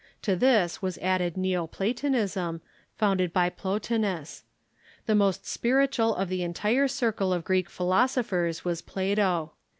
To this was added Neo Platonism, founded by Plotinus. The most spiritual of the entire circle of Greek philosophers Avas Plato.